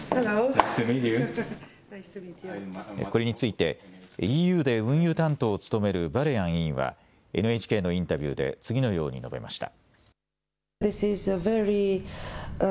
これについてＥＵで運輸担当を務めるバレアン委員はＮＨＫのインタビューで次のように述べました。